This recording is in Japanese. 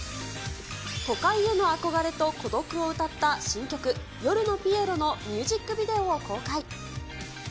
都会への憧れと孤独を歌った新曲、夜のピエロのミュージックビデオを公開。